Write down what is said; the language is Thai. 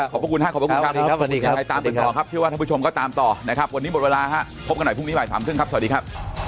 ขอบคุณครับขอบคุณครับ